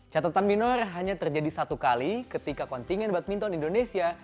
catatan minor hanya terjadi satu kali ketika kontingen badminton indonesia